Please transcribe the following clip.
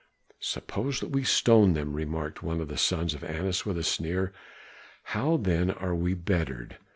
"Suppose that we stone them," remarked one of the sons of Annas with a sneer. "How then are we bettered?